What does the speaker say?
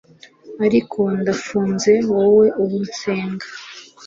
Ariko ndafunze Wowe uwo nsenga